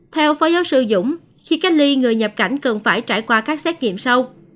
theo phó giáo sư dũng khi cách ly người nhập cảnh cần phải trải qua các xét nghiệm sau